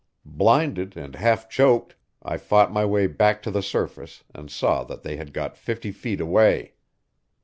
Blinded and half choked, I fought my way back to the surface and saw that they had got fifty feet away.